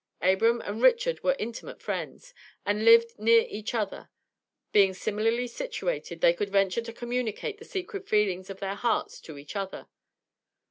Abram and Richard were intimate friends, and lived near each other. Being similarly situated, they could venture to communicate the secret feelings of their hearts to each other.